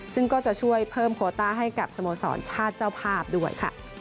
ซึ่งก็จะช่วยเพิ่มโคต้าให้กับสโมสรชาติเจ้าภาพด้วยค่ะ